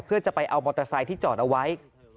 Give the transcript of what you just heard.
เพื่อจะไปเอามอเตอร์ไซค์ที่จอดเอาไว้